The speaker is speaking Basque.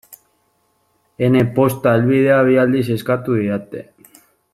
Ene posta helbidea bi aldiz eskatu didate.